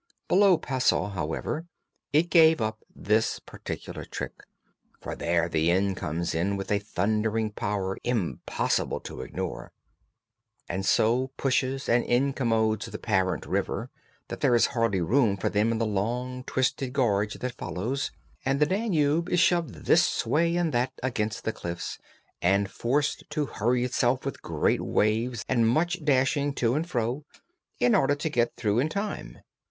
Below Passau, however, it gave up this particular trick, for there the Inn comes in with a thundering power impossible to ignore, and so pushes and incommodes the parent river that there is hardly room for them in the long twisting gorge that follows, and the Danube is shoved this way and that against the cliffs, and forced to hurry itself with great waves and much dashing to and fro in order to get through in time.